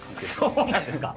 そうなんですか！